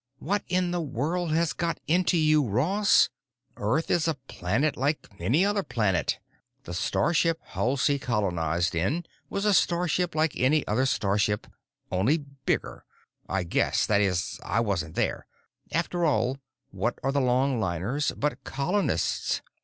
"What in the world has got into you, Ross? Earth is a planet like any other planet. The starship Halsey colonized in was a starship like any other starship—only bigger. I guess, that is—I wasn't there. After all, what are the longliners but colonists?